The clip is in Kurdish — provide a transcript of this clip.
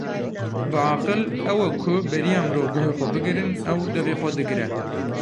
Biaqil ew e ku beriya mirov guhê xwe bigirin, ew devê xwe digire.